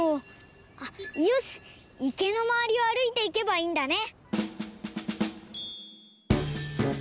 あっよしいけのまわりをあるいていけばいいんだね！